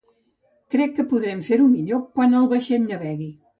Crec que podrem fer-ho millor quan el vaixell navegui.